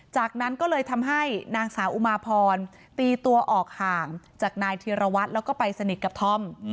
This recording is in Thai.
จากนั้นก็เลยทำให้นางสาวอุมาพรตีตัวออกห่างจากนายธีรวัตรแล้วก็ไปสนิทกับธอม